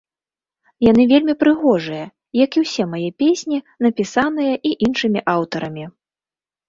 Яны вельмі прыгожыя, як і ўсе мае песні, напісаныя і іншымі аўтарамі.